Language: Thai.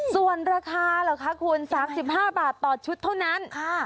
ส่วนราคาหรอคะคุณสามสิบห้าบาทต่อชุดเท่านั้นค่ะ